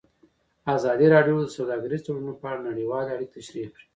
ازادي راډیو د سوداګریز تړونونه په اړه نړیوالې اړیکې تشریح کړي.